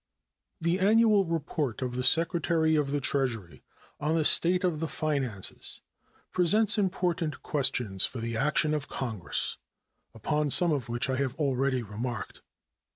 The annual report of the Secretary of the Treasury on the state of the finances presents important questions for the action of Congress, upon some of which I have already remarked.